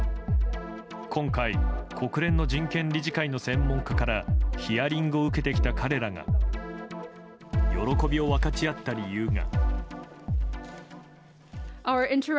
今回、国連の人権理事会の専門家からヒアリングを受けてきた彼らが喜びを分かち合った理由が。